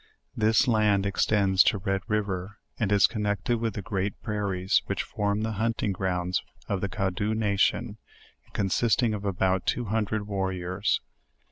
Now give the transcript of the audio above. This land extends to Red riv er, and is connected with the great prairies which form the hunting grounds of the Cadaux nation, consisting of about two hundred warriors.